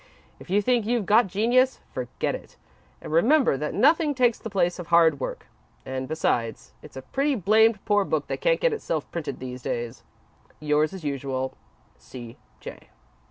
If you think you've got genius, forget it, and remember that nothing takes the place of hard work. And, besides, it's a pretty blamed poor book that can't get itself printed these days. "Yours as usual, "C. J."